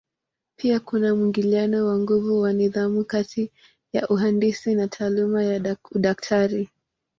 Pia kuna mwingiliano wa nguvu wa nidhamu kati ya uhandisi na taaluma ya udaktari.